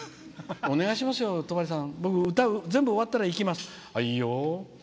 「お願いしますよ、戸張さん全部歌ったら行きます」。